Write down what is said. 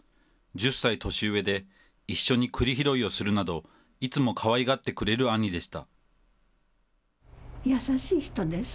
１０歳年上で、一緒にくり拾いをするなど、いつもかわいがってくれる兄でした。